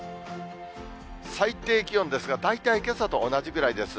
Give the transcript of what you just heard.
最低気温ですが、大体けさと同じぐらいです。